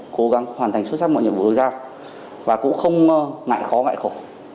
cố gắng hoàn thành xuất sắc mọi nhiệm vụ được giao và cũng không ngại khó ngại khổ